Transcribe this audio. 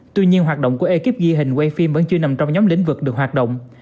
tuy nhiên hoạt động của ekip ghi hình quay phim vẫn chưa nằm trong nhóm lĩnh vực được hoạt động